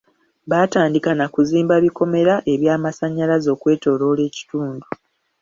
Baatandika na kuzimba bikomera eby'amasannyalaze okwetoloola ekitundu.